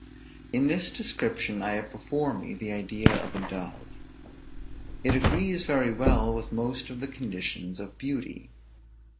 In this description I have before me the idea of a dove; it agrees very well with most of the conditions of beauty.